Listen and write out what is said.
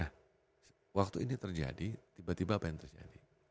nah waktu ini terjadi tiba tiba apa yang terjadi